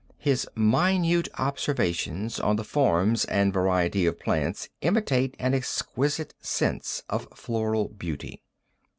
His minute observations on the forms and variety of plants intimate an exquisite sense of floral beauty.